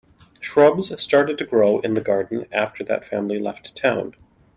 Shrubs started to grow in the garden after that family left town.